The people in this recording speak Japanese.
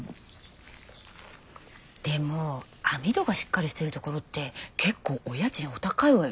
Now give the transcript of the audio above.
でも網戸がしっかりしてるところって結構お家賃お高いわよ。